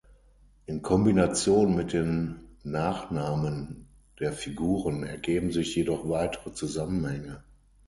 In Kombination mit den Nachnamen der Figuren ergeben sich jedoch weitere Zusammenhänge.